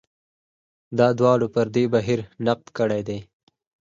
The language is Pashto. دا دواړو پر دې بهیر نقد کړی دی.